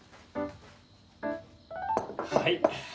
はい。